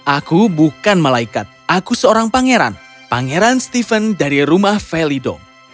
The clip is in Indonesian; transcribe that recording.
aku bukan malaikat aku seorang pangeran pangeran stephen dari rumah felido